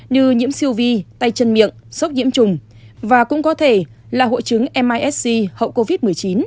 như nhiễm siêu vi tay chân miệng sốc nhiễm trùng và cũng có thể là hội chứng misc hậu covid một mươi chín